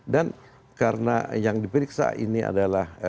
dan karena yang diperiksa ini adalah